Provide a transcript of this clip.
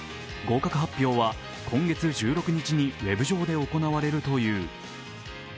合格発表は今月１６日にウェブ上で行われるという。